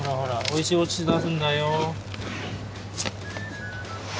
おいしいおちちだすんだよ。